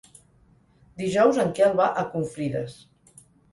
Dijous en Quel va a Confrides.